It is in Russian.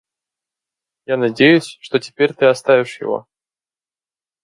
Я надеюсь, что теперь ты оставишь его.